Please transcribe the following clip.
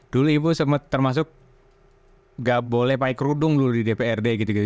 dulu ibu termasuk gak boleh pakai kerudung dulu di dprd gitu gitu